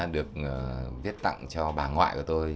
được viết tặng cho bà ngoại của tôi